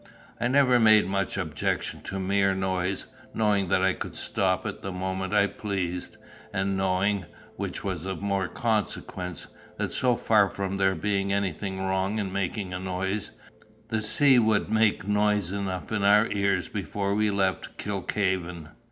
I never made much objection to mere noise, knowing that I could stop it the moment I pleased, and knowing, which was of more consequence, that so far from there being anything wrong in making a noise, the sea would make noise enough in our ears before we left Kilkhaven.